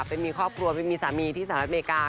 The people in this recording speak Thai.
ไปมีครอบครัวไปมีสามีที่สหรัฐอเมริกา